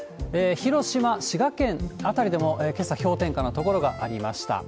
広島、滋賀県辺りでも、けさ、氷点下の所がありました。